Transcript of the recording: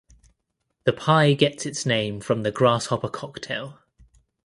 The pie gets its name from the Grasshopper cocktail.